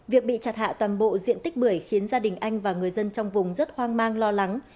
việc bị chặt hạ toàn bộ diện tích bưởi khiến gia đình anh và người dân trong vùng rất hoang mang lo lắng